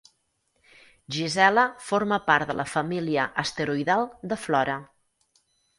Gisela forma part de la família asteroidal de Flora.